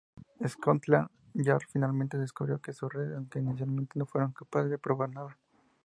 Scotland Yard finalmente descubrió su red aunque inicialmente no fueron capaces de probar nada.